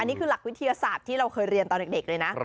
นี่คือหลักวิทยาศาสตร์ที่เราเคยเรียนตอนเด็กเลยนะ